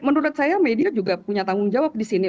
menurut saya media juga punya tanggung jawab di sini